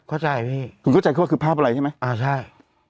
เข้าใจมั้ยเพิ่งเข้าใจแล้วคือภาพอะไรใช่ไหมอ่าใช่